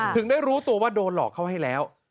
ถึงได้รู้ตัวว่าโดนหลอกเขาให้แล้ว